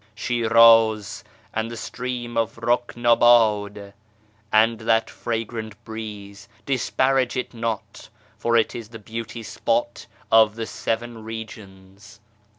Shiraz, and the stream of Ruknabad, and that fragrant breeze — Disparage it not, for it is the beauty spot of the seven regions